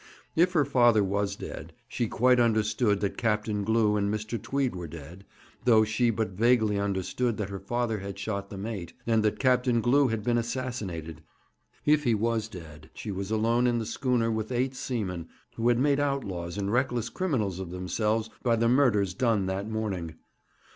If her father was dead, and she quite understood that Captain Glew and Mr. Tweed were dead, though she but vaguely understood that her father had shot the mate, and that Captain Glew had been assassinated if he was dead, she was alone in the schooner with eight seamen, who had made outlaws and reckless criminals of themselves by the murders done that morning.